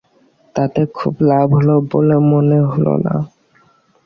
তাতে খুব লাভ হল বলে মনে হল না।